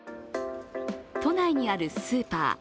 都内にあるスーパー。